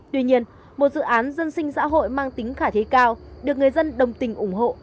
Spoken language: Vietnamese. tuy nhiên một dự án dân sinh xã hội mang tính khả thi cao được người dân đồng tình ủng hộ